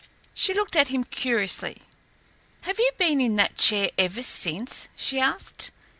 She looked at him curiously. "Have you been in that chair ever since?" she asked.